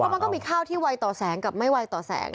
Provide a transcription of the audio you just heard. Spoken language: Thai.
เพราะมันก็มีข้าวที่วัยต่อแสงกับไม่วัยต่อแสง